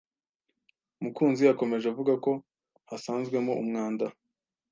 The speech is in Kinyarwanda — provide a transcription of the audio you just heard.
Mukunzi yakomeje avuga ko hasanzwemo umwanda